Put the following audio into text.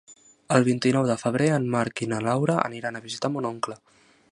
El vint-i-nou de febrer en Marc i na Laura aniran a visitar mon oncle.